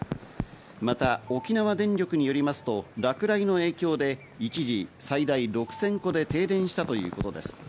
また沖縄電力によりますと、落雷の影響で一時、最大６０００戸で停電したということです。